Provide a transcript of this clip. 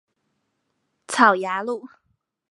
草衙路